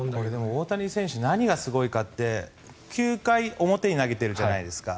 大谷選手何がすごいかって９回表に投げているじゃないですか。